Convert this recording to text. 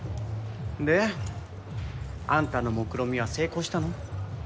で？あんたのもくろみは成功したの？